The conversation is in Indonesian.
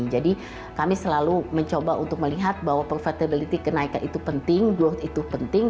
jadi kami selalu mencoba untuk melihat bahwa profitability kenaikan itu penting growth itu penting